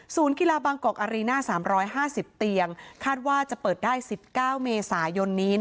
กีฬาบางกอกอารีน่า๓๕๐เตียงคาดว่าจะเปิดได้๑๙เมษายนนี้